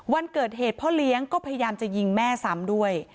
วันเกิดเหตุพ่อเลี้ยงก็พยายามจะยิงแม่ซ้ำด้วย